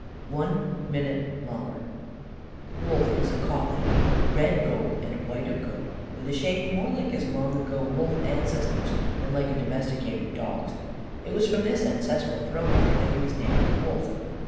"ONE MINUTE LONGER" Wolf was a collie, red gold and white of coat, with a shape more like his long ago wolf ancestors' than like a domesticated dog's. It was from this ancestral throw back that he was named Wolf.